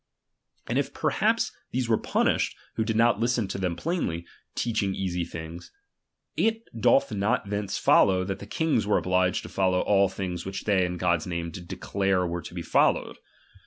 And if per RELIGION. 247 haps these were punished who did not hsteii to c them plainly, teaching easy things j it doth not ^ thence follow, that the kings were obliged to fol «; low all things which they, in God's name, did de th elare were to be followed.